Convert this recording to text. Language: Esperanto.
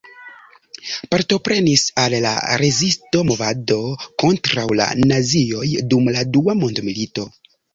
Partoprenis al la Rezisto-movado kontraŭ la nazioj dum la Dua mondmilito.